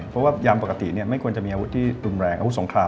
เพราะว่ายาร์มปกติไม่ควรมีอาวุธที่รุนแรง